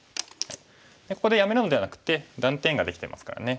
ここでやめるのではなくて断点ができてますからね